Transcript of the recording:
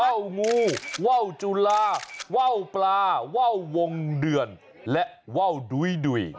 ว่าวงูว่าวจุลาว่าวปลาว่าววงเดือนและว่าวดุ้ย